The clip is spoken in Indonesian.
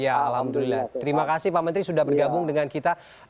ya alhamdulillah terima kasih pak menteri sudah bergabung dengan kita